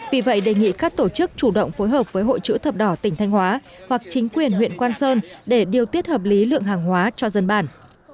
vì vậy đề nghị các tổ chức chủ động phối hợp với hội chữ thập đỏ tỉnh thanh hóa hoặc chính quyền huyện quang sơn để điều tiết hợp lý lượng hàng hóa cho dân bản